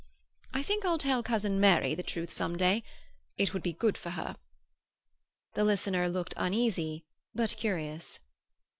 I think I'll tell cousin Mary the truth some day; it would be good for her." The listener looked uneasy, but curious.